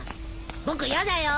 僕やだよ